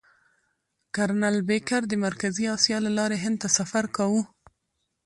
کرنل بېکر د مرکزي اسیا له لارې هند ته سفر کاوه.